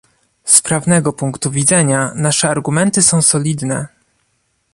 Z prawnego punktu widzenia nasze argumenty są solidne